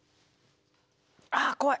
あ怖い。